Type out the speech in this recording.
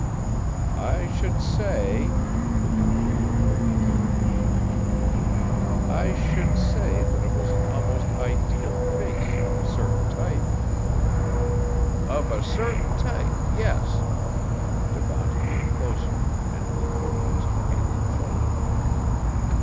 "I should say," the younger man looked keenly at the picture, "I should say that it was an almost ideal face of a certain type." "Of a certain type, yes." Devant came closer and leaned over his companion's shoulder.